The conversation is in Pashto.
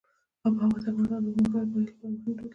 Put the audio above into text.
آب وهوا د افغانستان د اوږدمهاله پایښت لپاره مهم رول لري.